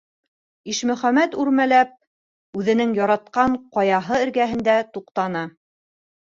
Ишмөхәмәт, үрмәләп, үҙенең яратҡан ҡаяһы эргәһендә туҡтаны.